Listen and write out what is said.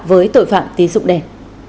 với tội phạm tín dục đen